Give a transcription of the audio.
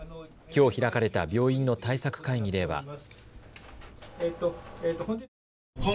きょう開かれた病院の対策会議では。